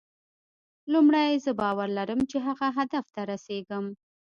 لومړی زه باور لرم چې هغه هدف ته رسېږم.